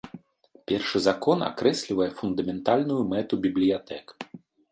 Першы закон акрэслівае фундаментальную мэту бібліятэк.